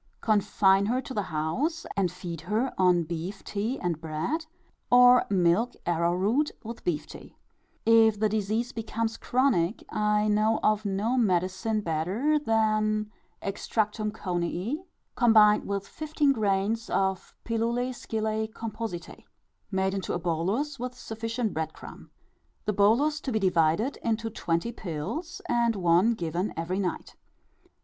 Confine her to the house and feed her on beef tea and bread, or milk arrowroot with beef tea. If the disease becomes chronic, I know of no medicine better than Extr. Conii Pil. Scillæ Co. ā ā gr. xv. made into a bolus with sufficient bread crumb; the bolus to be divided into twenty pills, and one given every night.